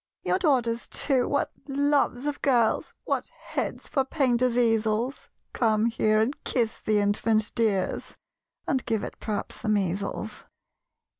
"Your daughters, too, what loves of girls What heads for painters' easels! Come here, and kiss the infant, dears (And give it, p'raps, the measles!)